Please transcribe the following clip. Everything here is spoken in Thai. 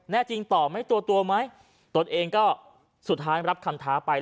จริงต่อไหมตัวตัวไหมตนเองก็สุดท้ายรับคำท้าไป